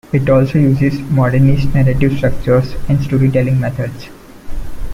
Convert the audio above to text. It also uses modernist narrative structures and storytelling methods.